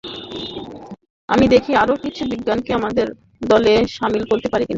আমি দেখি আরো কিছু বিজ্ঞানীকে আমাদের দলে শামিল করতে পারি কিনা।